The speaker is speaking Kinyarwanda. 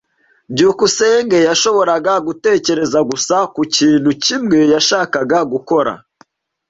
byukusenge yashoboraga gutekereza gusa ku kintu kimwe yashakaga gukora.